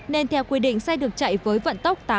nên theo quy định xe được chạy với vận tốc tám